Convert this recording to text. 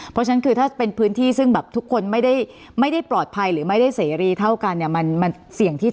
เพราะฉะนั้นคือถ้าเป็นพื้นที่ซึ่งแบบทุกคนไม่ได้ปลอดภัย